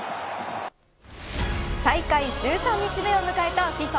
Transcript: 大会１３日目を迎えたＦＩＦＡ